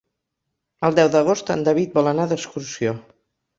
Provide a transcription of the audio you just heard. El deu d'agost en David vol anar d'excursió.